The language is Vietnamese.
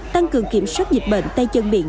tăng cường kiểm soát dịch bệnh tay chân miệng